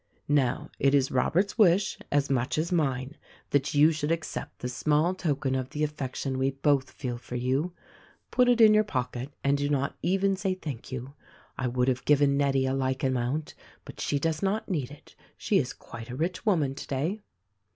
"Now, it is Robert's wish, as much as mine, that yon should accept this small token of the affection we both feel THE RECORDING ANGEL 185 for you. Put it in your pocket and do not even say thank you. I would have given Nettie a like amount, but she does not need it. She is quite a rich woman today."